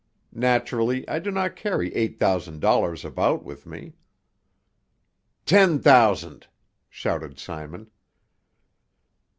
Naturally I do not carry eight thousand dollars about with me " "Ten thousand!" shouted Simon.